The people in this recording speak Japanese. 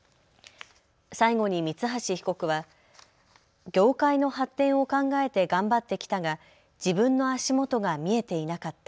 最後に三橋被告は業界の発展を考えて頑張ってきたが自分の足元が見えていなかった。